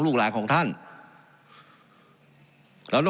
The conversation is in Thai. การปรับปรุงทางพื้นฐานสนามบิน